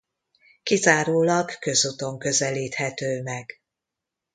Kizárólag közúton közelíthető meg.